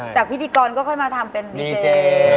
จากพี่ธีกรก็มาทำเป็นดีเจ